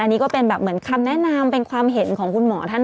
อันนี้ก็เป็นแบบเหมือนคำแนะนำเป็นความเห็นของคุณหมอท่าน